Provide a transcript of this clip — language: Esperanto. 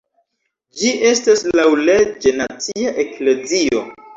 Ĝi estas laŭleĝe nacia eklezio.